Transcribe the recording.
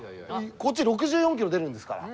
こっち６４キロ出るんですから。